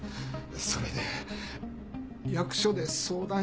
それで役所で相談したら。